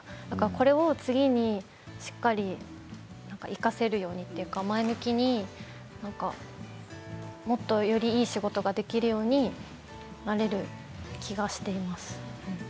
これを次にしっかり生かせるようにというか前向きにもっとよりいい仕事ができるようになれる気がしています。